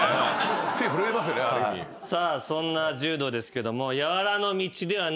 そんな柔道ですけども。